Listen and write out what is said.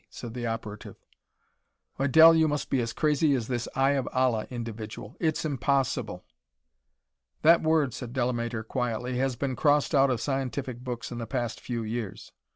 said the operative. "Why, Del, you must be as crazy as this Eye of Allah individual. It's impossible." "That word," said Delamater, quietly, "has been crossed out of scientific books in the past few years."